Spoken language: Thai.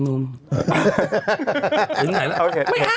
ยังไงแล้ว